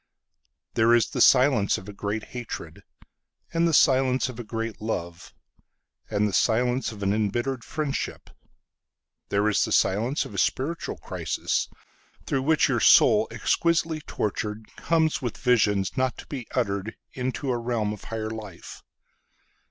There is the silence of a great hatred, And the silence of a great love, And the silence of an embittered friendship. There is the silence of a spiritual crisis, Through which your soul, exquisitely tortured, Comes with visions not to be utteredInto a realm of higher life.